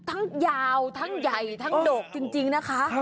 ทั้งยาวทั้งใหญ่ทั้งโดกจริงนะคะ